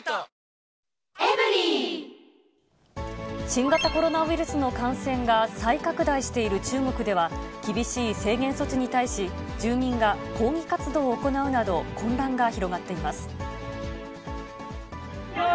新型コロナウイルスの感染が再拡大している中国では、厳しい制限措置に対し、住民が抗議活動を行うなど、混乱が広がっています。